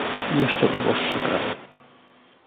Jeszcze uboższe kraje